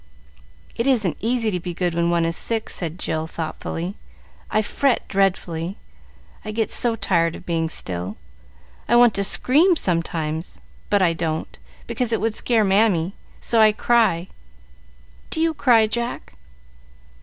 "It isn't easy to be good when one is sick," said Jill, thoughtfully. "I fret dreadfully, I get so tired of being still. I want to scream sometimes, but I don't, because it would scare Mammy, so I cry. Do you cry, Jack?"